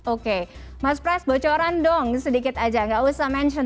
oke mas pras bocoran dong sedikit aja nggak usah mention